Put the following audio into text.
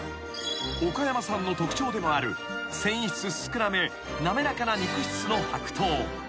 ［岡山産の特徴でもある繊維質少なめ滑らかな肉質の白桃］